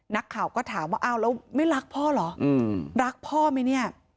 นักข่าวก็ถามว่าอ้าวแล้วไม่รักพ่อเหรอรักพ่อไหมเนี่ย